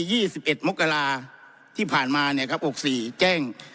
สิบเอ็ดมกราที่ผ่านมาเนี่ยครับหกสี่แจ้ง